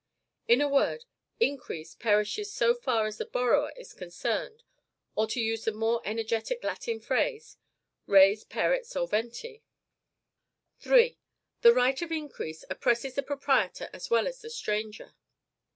In a word, increase perishes so far as the borrower is concerned; or to use the more energetic Latin phrase, res perit solventi. 3. THE RIGHT OF INCREASE OPPRESSES THE PROPRIETOR AS WELL AS THE STRANGER.